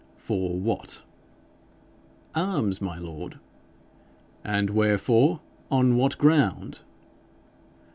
'For what?' 'Arms, my lord.' 'And wherefore? On what ground?'